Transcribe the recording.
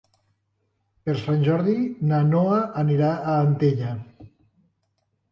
Per Sant Jordi na Noa anirà a Antella.